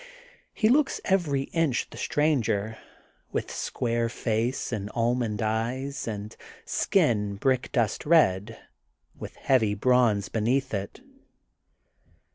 He looks every inch the stranger, mth square face and almond eyes, and skin brickdust red, with heavy bronze beneath it.